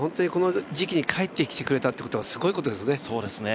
この時期に帰ってきてくれたことがすごいことですね。